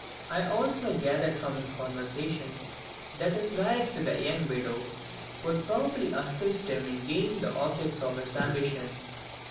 I also gathered from his conversation that his marriage with the young widow would probably assist him in gaining the objects of his ambition.